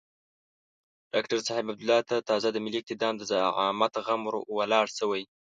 ډاکتر صاحب عبدالله ته تازه د ملي اقتدار د زعامت غم ور ولاړ شوی.